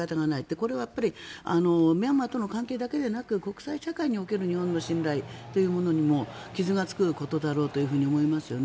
これはミャンマーとの関係だけでなく国際社会における日本の信頼にも傷がつくことだろうと思いますよね。